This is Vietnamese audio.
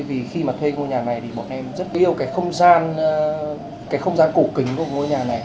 vì khi mà thuê ngôi nhà này thì bọn em rất yêu cái không gian cổ kính của ngôi nhà này